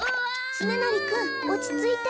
つねなりくんおちついて。